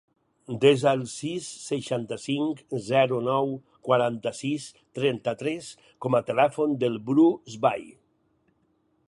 Desa el sis, seixanta-cinc, zero, nou, quaranta-sis, trenta-tres com a telèfon del Bru Sbai.